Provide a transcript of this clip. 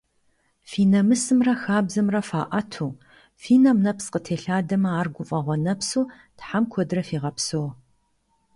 Фи намысымрэ хабзэмрэ фаӏэту, фи нэм нэпс къытелъэдамэ ар гуфӏэгъуэ нэпсу Тхьэм куэдрэ фигъэпсэу!